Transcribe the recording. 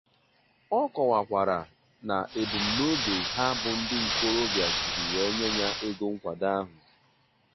Ọ kọwàkwàrà na ebumnobi ha bụ ndị ntorobịa jiri wee nye ya ego nkwàdo ahụ